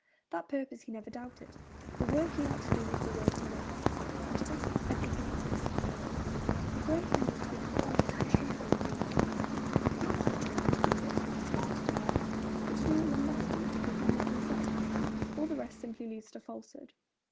That purpose he never doubted. The work he had to do was the work of an artist, and to this everything must be subservient. 'The great thing is to become honest and truthful in dealing with oneself not to determine to do this or determine to do that, but to do what one must do because one is oneself. All the rest simply leads to falsehood.'